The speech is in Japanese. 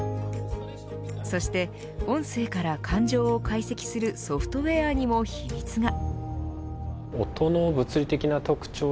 そして音声から感情を解析するソフトウエアにも秘密が。